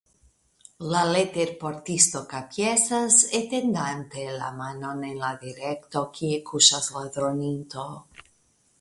La leterportisto kapjesas, etendante la manon en la direkto, kie kuŝas la droninto.